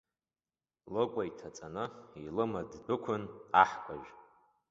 Лыкәа иҭаҵаны илыма ддәықәын аҳкәажә.